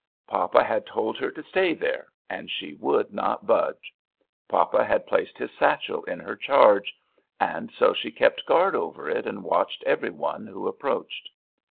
Papa had told her to stay there and she would not budge. Papa had placed his satchel in her charge, and so she kept guard over it and watched every one who approached.